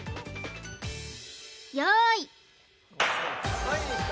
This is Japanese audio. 用意